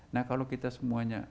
nah kalau kita semuanya